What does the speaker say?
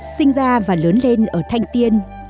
sinh ra và lớn lên ở thanh tiên